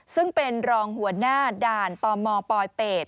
ซึ่งเป็นรองหัวหน้าด่านตมปลอยเป็ด